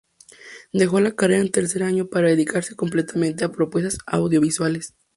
Dejó la carrera en tercer año para dedicarse completamente a propuestas audiovisuales.